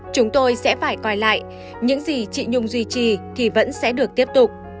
chúng tôi sẽ phải coi lại những gì chị nhung duy trì thì vẫn sẽ được tiếp tục